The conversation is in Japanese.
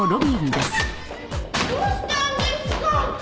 どうしたんですかー！？